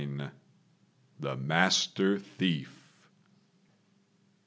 THE MASTER THIEF.